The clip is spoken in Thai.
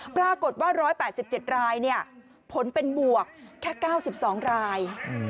ปรากฏว่า๑๘๗รายผลเป็นบวกแค่๙๒ราย